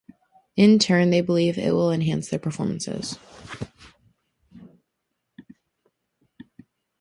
In turn, they believe it will enhance their performances.